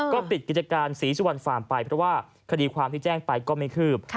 ก็ปิดกิจการศรีสุวรรณฟาร์มไปเพราะว่าคดีความที่แจ้งไปก็ไม่คืบ